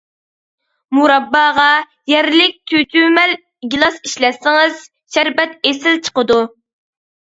مۇرابباغا يەرلىك چۈچۈمەل گىلاس ئىشلەتسىڭىز شەربەت ئېسىل چىقىدۇ.